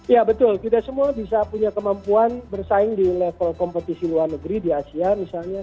ya betul kita semua bisa punya kemampuan bersaing di level kompetisi luar negeri di asia misalnya